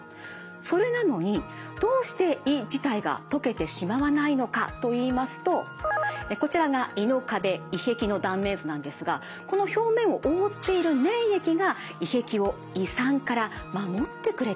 それなのにどうして胃自体が溶けてしまわないのかといいますとこちらが胃の壁胃壁の断面図なんですがこの表面を覆っている粘液が胃壁を胃酸から守ってくれているからなんです。